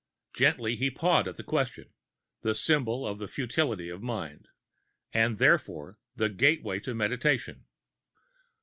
_ Gently he pawed at the question, the symbol of the futility of mind and therefore the gateway to meditation.